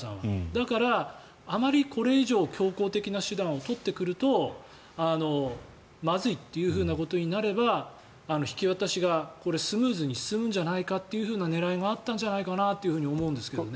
だから、あまりこれ以上強行的な手段を取ってくるとまずいということになれば引き渡しがスムーズに進むんじゃないかという狙いがあったんじゃないかと思いますがね。